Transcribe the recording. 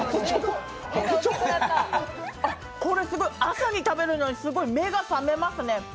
朝に食べるのにすごい目が覚めますね。